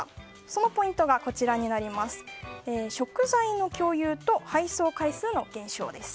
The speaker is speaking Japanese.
そのポイントが食材の共有と配送回数の減少です。